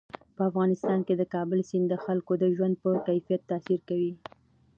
په افغانستان کې د کابل سیند د خلکو د ژوند په کیفیت تاثیر کوي.